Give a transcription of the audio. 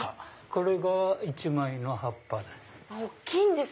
これが１枚の葉っぱで。